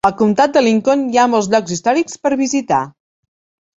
Al comtat de Lincoln hi ha molts llocs històrics per visitar.